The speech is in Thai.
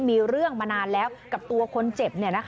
มีเรื่องมานานแล้วกับตัวคนเจ็บ